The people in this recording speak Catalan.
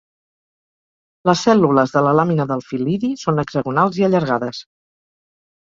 Les cèl·lules de la làmina del fil·lidi són hexagonals i allargades.